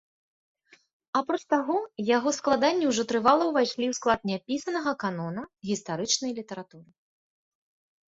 Апроч таго, яго складанні ўжо трывала ўвайшлі ў склад няпісанага канона гістарычнай літаратуры.